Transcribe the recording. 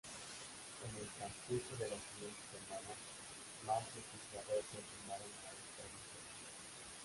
En el transcurso de las siguientes semanas, más legisladores se sumaron a esta iniciativa.